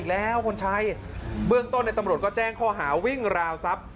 แล้วพลชัยเบื้องต้นในตำรวจก็แจ้งข้อหาวิ่งราวทรัพย์